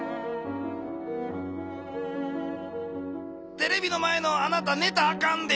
テレビの前のあなたねたアカンで！